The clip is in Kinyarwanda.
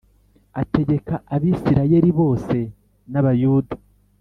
ategeka Abisirayeli bose n’Abayuda.